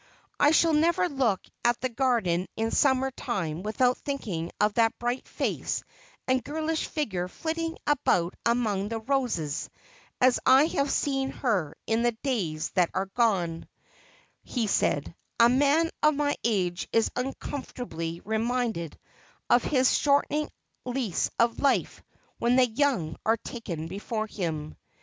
' I shall never look at the garden in summer time without thinking of that bright face and girlish figure flitting about among the roses, as I have seen her in the days that are gone,' he said ;' a man of my age is uncomfortably reminded of his shortening lease of life when the young are taken before him.'